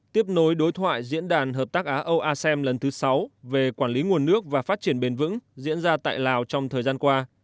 tiếp nối đối thoại diễn đàn hợp tác á âu asem lần thứ sáu về quản lý nguồn nước và phát triển bền vững diễn ra tại lào trong thời gian qua